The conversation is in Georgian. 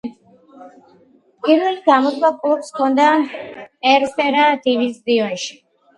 პირველი გამოსვლა კლუბს ჰქონდა ტერსერა დივიზიონში.